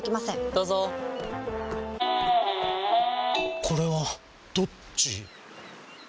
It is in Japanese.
どうぞこれはどっち？